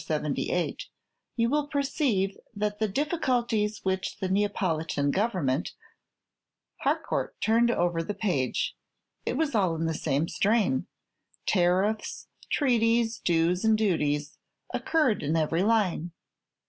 478, you will perceive that the difficulties which the Neapolitan Government " Harcourt turned over the page. It was all in the same strain. Tariffs, treaties, dues, and duties occurred in every line.